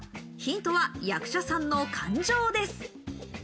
ヒントは役者さんの感情です。